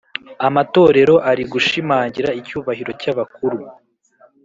amatorero ari gushimangira icyubahiro cy’ abakuru.